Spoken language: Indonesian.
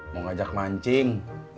mau ngajak mancing